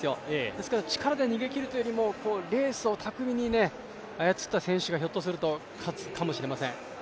ですから力で逃げ切ると言うよりもレースをたくみに操った選手がひょっとすると勝つかもしれません。